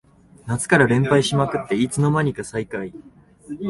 夏から連敗しまくっていつの間にか最下位